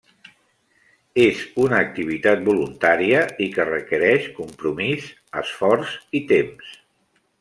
És una activitat voluntària i que requereix compromís, esforç i temps.